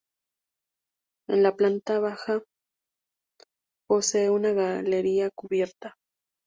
En la planta baja posee una galería cubierta.